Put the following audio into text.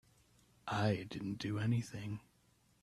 I didn't do anything.